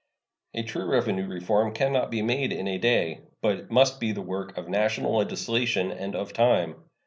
A true revenue reform can not be made in a day, but must be the work of national legislation and of time.